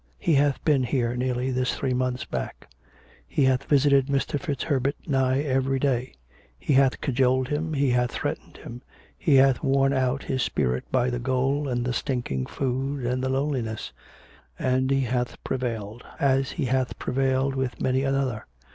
He hath been here nearly this three months back; he hath visited Mr. FitzHerbert nigh every day; he hath cajoled him, he hath threatened him; he hath worn out his spirit by the gaol and the stinking food and the lone liness; and he hath prevailed, as he hath prevailed with many another.